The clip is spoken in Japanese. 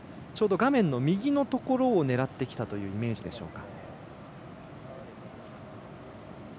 画面の右のところを狙ってきたというイメージでしょうか。